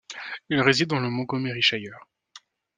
Il réside dans le Montgomeryshire.